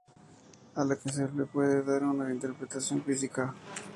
A la que se le puede dar una interpretación física.